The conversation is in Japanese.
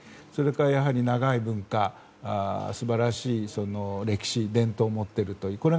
それからやはり長い文化素晴らしい歴史、伝統を持っているという。